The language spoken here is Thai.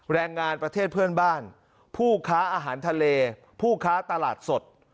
แรงงานประเทศเพื่อนบ้านผู้ค้าอาหารทะเลผู้ค้าตลาดสด